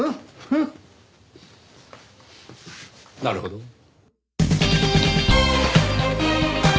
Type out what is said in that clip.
なるほど。